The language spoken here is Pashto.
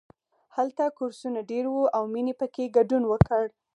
هلته کورسونه ډېر وو او مینې پکې ګډون وکړ